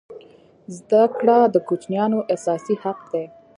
زده کړه د کوچنیانو اساسي حق دی.